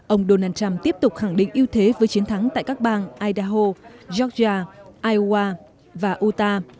ông donald trump tiếp tục khẳng định ưu thế với chiến thắng tại các bang idaho georgia iowa và utah